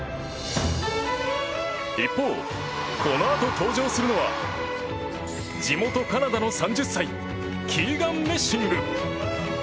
一方、このあと登場するのは地元カナダの３０歳キーガン・メッシング。